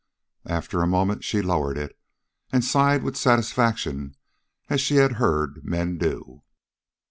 After a moment she lowered it and sighed with satisfaction, as she had heard men do.